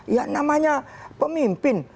ya namanya pemimpin